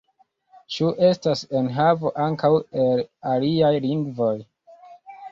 Ĉu estas enhavo ankaŭ el aliaj lingvoj?